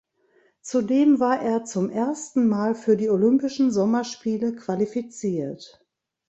Zudem war er zum ersten Mal für die Olympischen Sommerspiele qualifiziert.